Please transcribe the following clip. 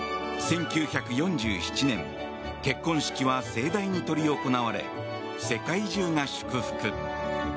１９４７年結婚式は盛大に執り行われ世界中が祝福。